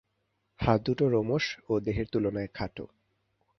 হাত দুটো রোমশ ও দেহের তুলনায় খাটো।